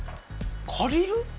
借りる？